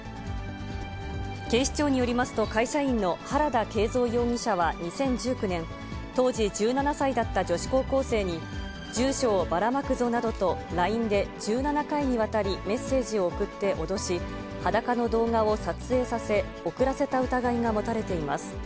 警視庁によりますと、会社員の原田慶三容疑者は２０１９年、当時１７歳だった女子高校生に、住所をばらまくぞなどとＬＩＮＥで１７回にわたり、メッセージを送って脅し、裸の動画を撮影させ、送らせた疑いが持たれています。